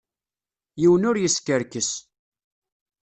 Yiwen ur yeskerkes.